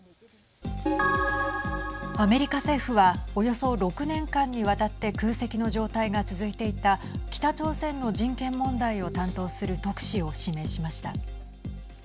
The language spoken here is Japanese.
アメリカ政府はおよそ６年間にわたって空席の状態が続いていた北朝鮮の人権問題を担当する特使を指名しました。